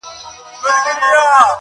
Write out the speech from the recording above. هغه مړ سو اوس يې ښخ كړلو.